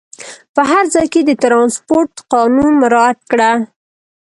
په هر ځای کې د ترانسپورټ قانون مراعات کړه.